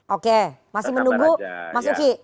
oke masih menunggu mas uki